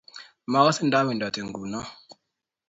Makase ndawendotee nguno